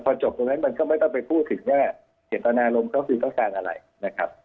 พอจบตรงนั้นมันก็ไม่ต้องไปพูดถึงว่าเจตนารมณ์ก็คือต้องการอะไรนะครับ